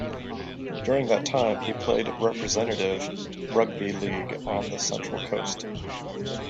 During that time he played representative rugby league on the Central Coast.